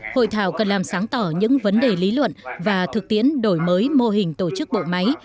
hội thảo cần làm sáng tỏ những vấn đề lý luận và thực tiễn đổi mới mô hình tổ chức bộ máy